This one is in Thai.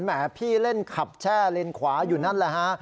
แหมพี่เล่นขับแช่เลนขวาอยู่นั่นแหละฮะ